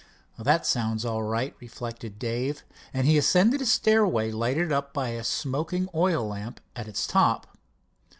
"That sounds all right," reflected Dave, and he ascended a stairway lighted up by a smoking oil lamp at its top.